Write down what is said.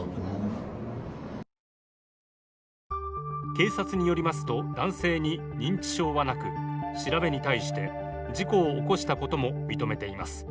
警察によりますと、男性に認知症はなく調べに対して、事故を起こしたことも認めています。